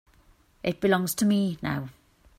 It belongs to me now.